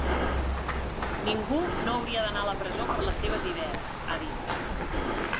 Ningú no hauria d’anar a la presó per les seves idees, ha dit.